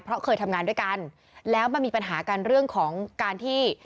เพราะเคยทำงานด้วยกันแล้วมันมีปัญหากันเรื่องของการที่